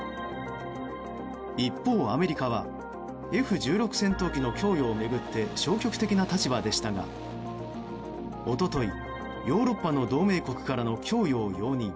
一方、アメリカはＦ１６戦闘機の供与を巡って消極的な立場でしたが、一昨日ヨーロッパの同盟国からの供与を容認。